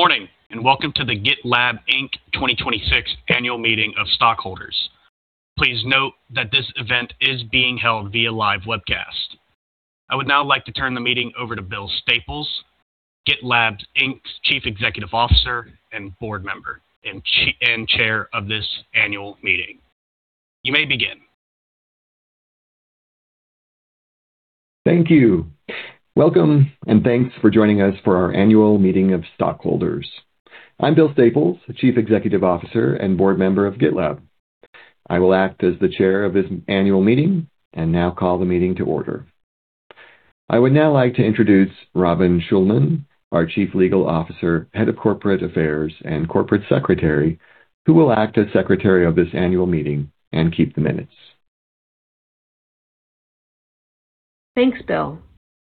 Morning, and welcome to the GitLab Inc. 2026 annual meeting of stockholders. Please note that this event is being held via live webcast. I would now like to turn the meeting over to William Staples, GitLab Inc.'s Chief Executive Officer and board member, and Chair of this annual meeting. You may begin. Thank you. Welcome, and thanks for joining us for our annual meeting of stockholders. I'm William Staples, Chief Executive Officer and board member of GitLab Inc. I will act as the Chair of this annual meeting and now call the meeting to order. I would now like to introduce Robin Schulman, our Chief Legal Officer, Head of Corporate Affairs, and Corporate Secretary, who will act as Secretary of this annual meeting and keep the minutes. Thanks, Bill.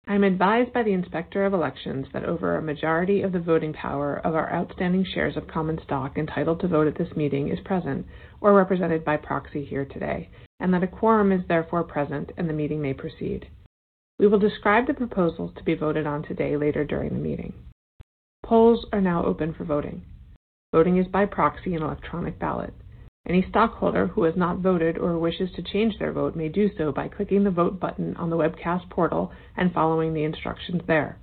I'm advised by the Inspector of Elections that over a majority of the voting power of our outstanding shares of common stock entitled to vote at this meeting is present or represented by proxy here today, and that a quorum is therefore present and the meeting may proceed. We will describe the proposals to be voted on today later during the meeting. Polls are now open for voting. Voting is by proxy and electronic ballot. Any stockholder who has not voted or wishes to change their vote may do so by clicking the vote button on the webcast portal and following the instructions there.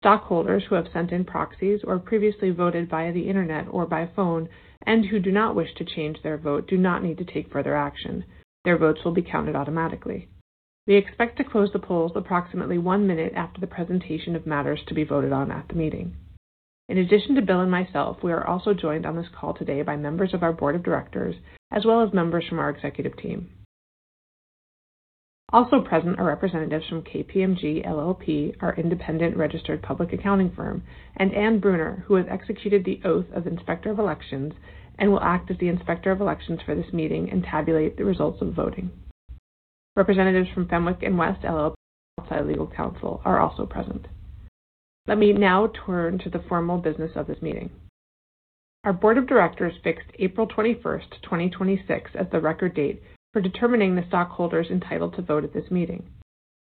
Stockholders who have sent in proxies or previously voted via the internet or by phone and who do not wish to change their vote do not need to take further action. Their votes will be counted automatically. We expect to close the polls approximately one minute after the presentation of matters to be voted on at the meeting. In addition to Bill and myself, we are also joined on this call today by members of our board of directors, as well as members from our executive team. Also present are representatives from KPMG LLP, our independent registered public accounting firm, and Anne Brunner, who has executed the oath of Inspector of Elections and will act as the Inspector of Elections for this meeting and tabulate the results of voting. Representatives from Fenwick & West LLP, outside legal counsel, are also present. Let me now turn to the formal business of this meeting. Our board of directors fixed April 21st, 2026, as the record date for determining the stockholders entitled to vote at this meeting.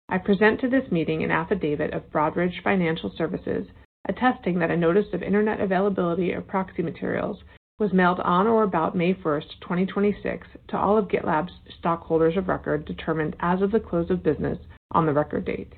I present to this meeting an affidavit of Broadridge Financial Solutions attesting that a notice of internet availability of proxy materials was mailed on or about May 1st, 2026, to all of GitLab's stockholders of record determined as of the close of business on the record date.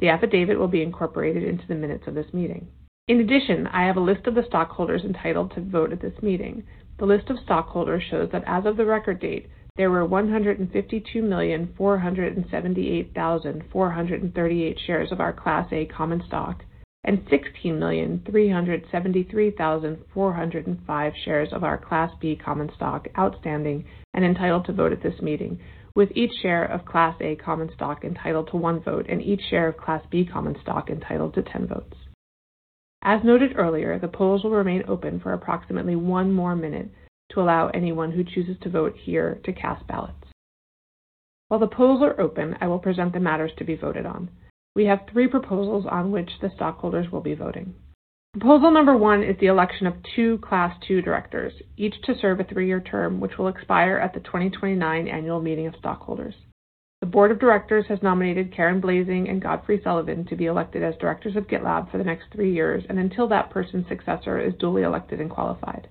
The affidavit will be incorporated into the minutes of this meeting. In addition, I have a list of the stockholders entitled to vote at this meeting. The list of stockholders shows that as of the record date, there were 152,478,438 shares of our Class A common stock and 16,373,405 shares of our Class B common stock outstanding and entitled to vote at this meeting, with each share of Class A common stock entitled to one vote and each share of Class B common stock entitled to 10 votes. As noted earlier, the polls will remain open for approximately one more minute to allow anyone who chooses to vote here to cast ballots. While the polls are open, I will present the matters to be voted on. We have three proposals on which the stockholders will be voting. Proposal number one is the election of two Class II directors, each to serve a three-year term which will expire at the 2029 annual meeting of stockholders. The board of directors has nominated Karen Blasing and Godfrey Sullivan to be elected as directors of GitLab for the next three years and until that person's successor is duly elected and qualified.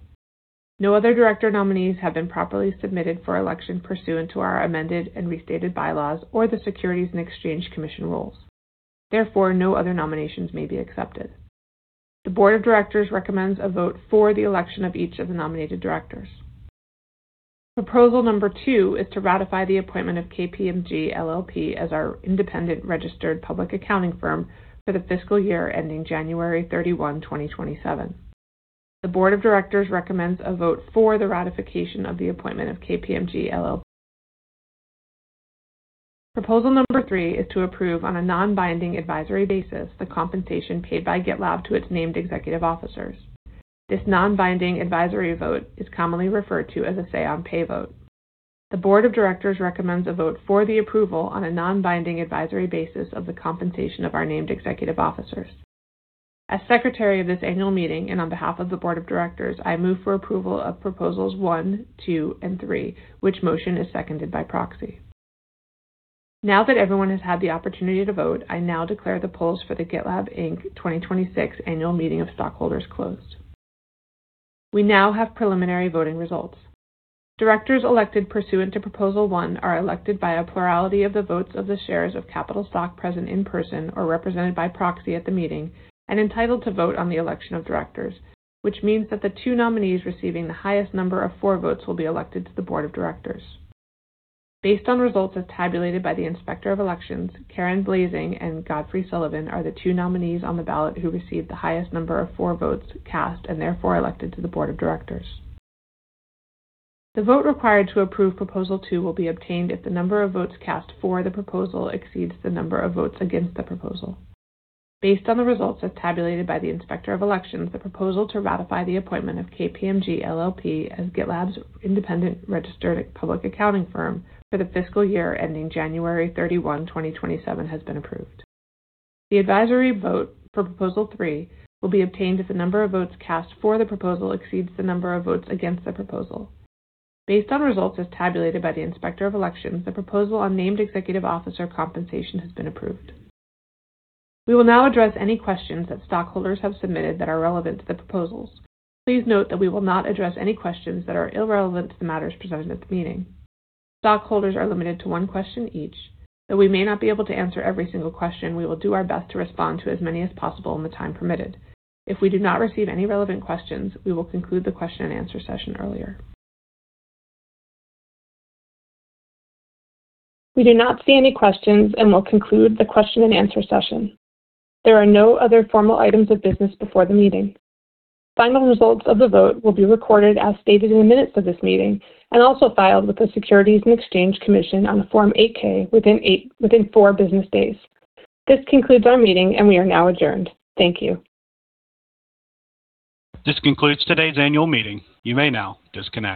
No other director nominees have been properly submitted for election pursuant to our amended and restated bylaws or the Securities and Exchange Commission rules. No other nominations may be accepted. The board of directors recommends a vote for the election of each of the nominated directors. Proposal number two is to ratify the appointment of KPMG LLP as our independent registered public accounting firm for the fiscal year ending January 31, 2027. The board of directors recommends a vote for the ratification of the appointment of KPMG LLP. Proposal number three is to approve on a non-binding advisory basis the compensation paid by GitLab to its named executive officers. This non-binding advisory vote is commonly referred to as a say on pay vote. The board of directors recommends a vote for the approval on a non-binding advisory basis of the compensation of our named executive officers. As secretary of this annual meeting and on behalf of the board of directors, I move for approval of proposals one, two, and three, which motion is seconded by proxy. Now that everyone has had the opportunity to vote, I now declare the polls for the GitLab Inc. 2026 Annual Meeting of Stockholders closed. We now have preliminary voting results. Directors elected pursuant to Proposal One are elected by a plurality of the votes of the shares of capital stock present in person or represented by proxy at the meeting and entitled to vote on the election of directors, which means that the two nominees receiving the highest number of for votes will be elected to the board of directors. Based on results as tabulated by the Inspector of Elections, Karen Blasing and Godfrey Sullivan are the two nominees on the ballot who received the highest number of for votes cast and therefore elected to the board of directors. The vote required to approve Proposal Two will be obtained if the number of votes cast for the proposal exceeds the number of votes against the proposal. Based on the results as tabulated by the Inspector of Elections, the proposal to ratify the appointment of KPMG LLP as GitLab's independent registered public accounting firm for the fiscal year ending January 31, 2027, has been approved. The advisory vote for Proposal Three will be obtained if the number of votes cast for the proposal exceeds the number of votes against the proposal. Based on results as tabulated by the Inspector of Elections, the proposal on named executive officer compensation has been approved. We will now address any questions that stockholders have submitted that are relevant to the proposals. Please note that we will not address any questions that are irrelevant to the matters presented at the meeting. Stockholders are limited to one question each. Though we may not be able to answer every single question, we will do our best to respond to as many as possible in the time permitted. If we do not receive any relevant questions, we will conclude the question and answer session earlier. We do not see any questions and will conclude the question and answer session. There are no other formal items of business before the meeting. Final results of the vote will be recorded as stated in the minutes of this meeting and also filed with the Securities and Exchange Commission on the Form 8-K within four business days. This concludes our meeting. We are now adjourned. Thank you. This concludes today's annual meeting. You may now disconnect.